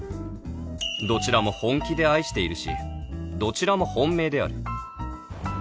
どちらも本気で愛しているしどちらも本命である